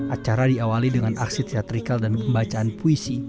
acara diawali dengan aksi teatrikal dan pembacaan puisi